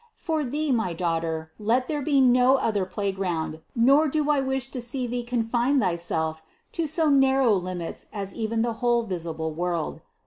For thee, my daughter, let there be no other play ground, nor do I wish to see thee confine thyself to so narrow limits as even the whole visible world.